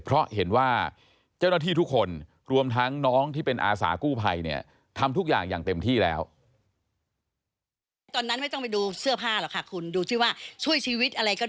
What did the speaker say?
เพราะเห็นว่าเจ้าหน้าที่ทุกคนรวมทั้งน้องที่เป็นอาสากู้ภัยเนี่ยทำทุกอย่างอย่างเต็มที่แล้ว